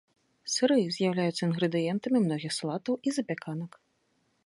Сыры з'яўляюцца інгрэдыентамі многіх салатаў і запяканак.